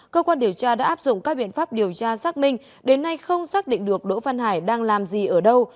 cơ quan điều tra đã áp dụng các biện pháp điều tra xác minh đến nay không xác định được đỗ văn hải đang làm gì ở đâu